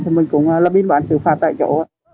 thì mình cũng là biên bản sự phạt tại chỗ